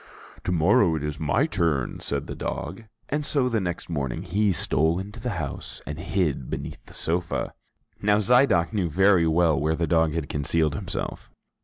"To morrow it is my turn," said the dog. And so the next morning he stole into the house and hid again beneath the sofa. Now Zidoc knew very well where the dog had concealed himself.